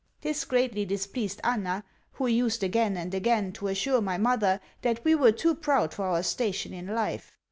This greatly displeased Anna, who used again and again to assure my mother that we were too proud for our station in life.